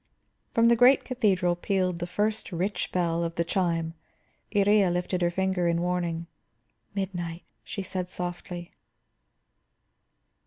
From the great cathedral pealed the first rich bell of the chime. Iría lifted her finger in warning. "Midnight," she said softly.